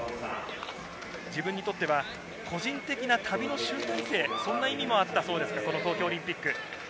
自分にとっては、個人的な旅の集大成という意味もあったという東京オリンピック。